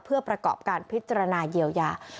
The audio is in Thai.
เพื่อประกอบการพิจารณาเยียวยา